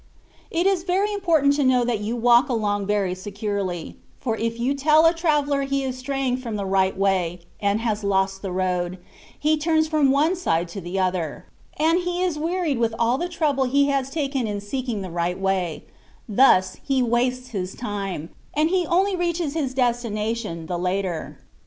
It is very important to know that you walk along very securely; for if you tell a traveller he is straying from the right way, and has lost the road, he tmns jfrom one side to the other ; and he is wearied with all the trouble he has taken in seeking the right way; thus he wastes his time, and he only reaches his destina tion the later.